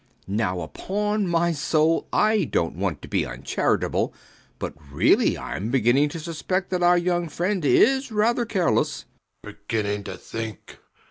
B. B. Now upon my soul I dont want to be uncharitable; but really I'm beginning to suspect that our young friend is rather careless. SIR PATRICK. Beginning to think!